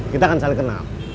kita akan saling kenal